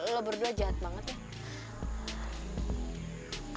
lo berdua jahat banget ya